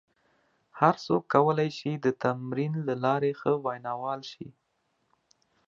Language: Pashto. هر څوک کولای شي د تمرین له لارې ښه ویناوال شي.